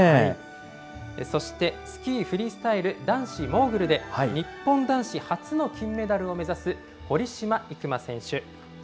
そして、スキーフリースタイル男子モーグルで日本男子初の金メダルを目指す、堀島行真選手。